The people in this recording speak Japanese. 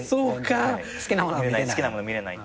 好きなものは見れない。